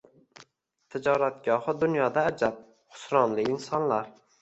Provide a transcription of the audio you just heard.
Tijoratgohi dunyoda ajab, xusronli insonlar